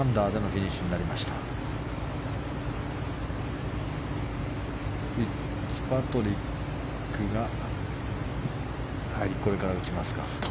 フィッツパトリックがこれから打ちます。